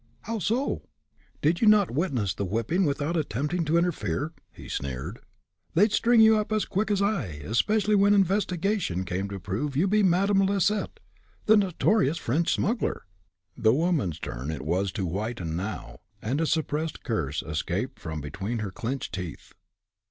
"How so?" "Did you not witness the whipping without attempting to interfere?" he sneered. "They'd string you up as quick as I especially when investigation came to prove you to be Madame Lisset, the notorious French smuggler." The woman's turn it was to whiten now, and a suppressed curse escaped from between her clinched teeth.